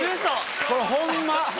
これホンマ！